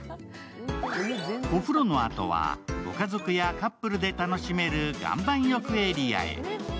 お風呂のあとは、ご家族やカップルで楽しめる岩盤浴エリアへ。